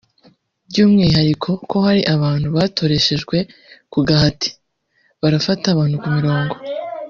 by’umwihariko ko hari abantu batoreshejwe ku gahati “barafata abantu ku mirongo